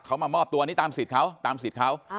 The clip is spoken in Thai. เขามามอบตัวนี้ตามสิทธิ์เขา